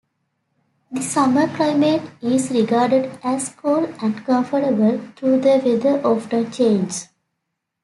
The summer climate is regarded as cool and comfortable, though the weather often changes.